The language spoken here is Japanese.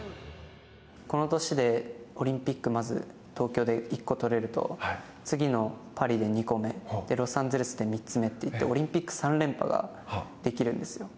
この年でオリンピックまず東京で１個とれると次のパリで２個目ロサンゼルスで３つ目っていってオリンピック３連覇ができるんですよ。